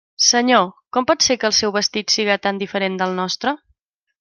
Senyor, com pot ser que el seu vestit siga tan diferent del nostre?